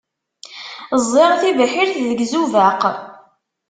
Ẓẓiɣ tibḥirt deg Izubaq.